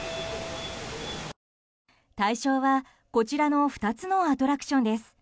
対象は、こちらの２つのアトラクションです。